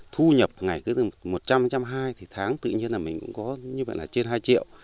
thu nhập ngày cứ từ một trăm linh một trăm hai mươi thì tháng tự nhiên là mình cũng có như vậy là trên hai triệu